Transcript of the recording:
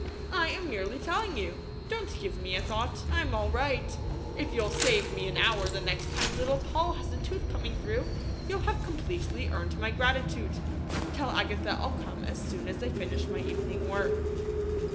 "I am merely telling you! Don't give me a thought! I'm all right! If you'll save me an hour the next time Little Poll has a tooth coming through, you'll have completely earned my gratitude. Tell Agatha I'll come as soon as I finish my evening work."